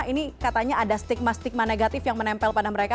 ini katanya ada stigma stigma negatif yang menempel pada mereka